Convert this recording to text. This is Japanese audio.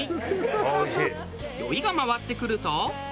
酔いが回ってくると。